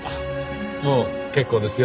もう結構ですよ。